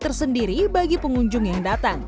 tersendiri bagi pengunjung yang datang